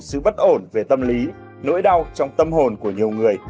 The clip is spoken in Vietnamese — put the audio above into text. sự bất ổn về tâm lý nỗi đau trong tâm hồn của nhiều người